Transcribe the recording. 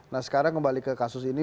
nah sekarang kembali ke kasus ini